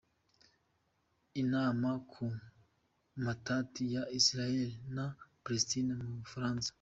Inama ku matati ya Israel na Palestine mu Bufaransa.